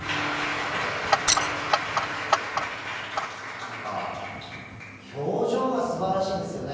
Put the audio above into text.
なんか、表情がすばらしいですよね。